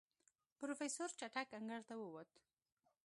پروفيسر چټک انګړ ته ووت.